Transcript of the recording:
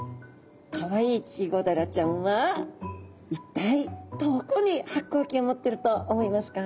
かわいいチゴダラちゃんは一体どこに発光器を持ってると思いますか？